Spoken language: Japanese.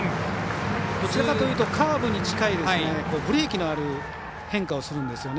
どちらかというとカーブに近いブレーキのある変化をするんですよね。